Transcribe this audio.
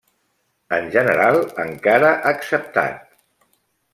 En general encara acceptat.